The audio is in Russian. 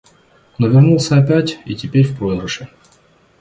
Но вернулся опять и теперь в проигрыше.